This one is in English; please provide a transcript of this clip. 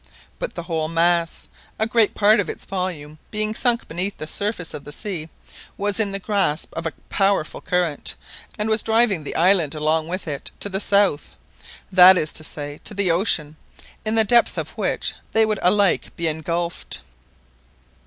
But the whole mass—a great part of its volume being sunk beneath the surface of the sea—was in the grasp of a powerful current, and was driving the island along with it to the south, that is to say, to the ocean, in the depths of which they would alike be engulfed.